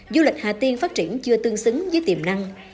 du lịch hà tiên phát triển chưa tương xứng với tiềm năng